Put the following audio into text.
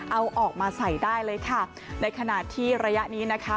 เอาออกมาใส่ได้เลยค่ะในขณะที่ระยะนี้นะคะ